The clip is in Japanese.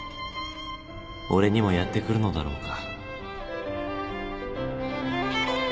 俺にもやってくるのだろうか？